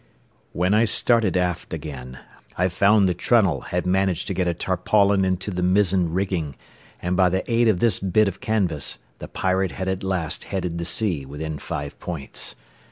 When I started aft again, I found that Trunnell had managed to get a tarpaulin into the mizzen rigging, and by the aid of this bit of canvas the Pirate had at last headed the sea within five points.